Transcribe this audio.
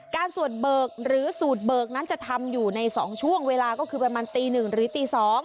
สวดเบิกหรือสูตรเบิกนั้นจะทำอยู่ใน๒ช่วงเวลาก็คือประมาณตี๑หรือตี๒